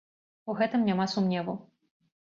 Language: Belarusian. У гэтым няма сумневу.